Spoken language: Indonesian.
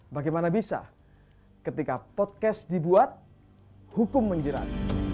bagaimana bisa ketika podcast dibuat hukum menjerat